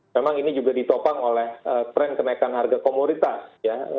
memang ini juga ditopang oleh tren kenaikan harga komoditas ya